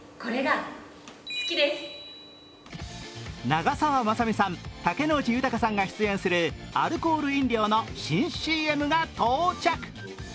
長澤まさみさん、竹野内豊さんが出演するアルコール飲料の新ＣＭが到着。